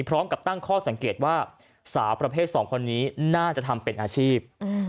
พร้อมกับตั้งข้อสังเกตว่าสาวประเภทสองคนนี้น่าจะทำเป็นอาชีพ